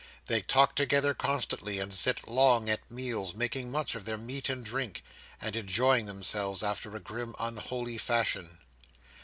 They talk together constantly, and sit long at meals, making much of their meat and drink, and enjoying themselves after a grim unholy fashion.